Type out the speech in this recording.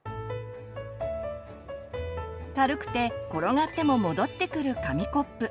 軽くて転がっても戻ってくる紙コップ。